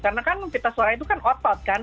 karena kan pita suara itu kan out out kan